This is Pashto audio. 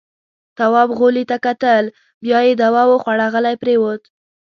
تواب غولي ته کتل. بيا يې دوا وخوړه، غلی پرېووت.